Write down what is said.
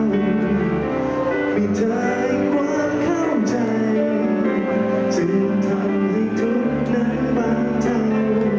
มีเธอให้กว้างเข้าใจสิ้นทำให้ทุกนั้นวางเท่า